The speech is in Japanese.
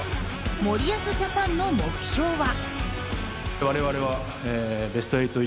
森保ジャパンの目標は。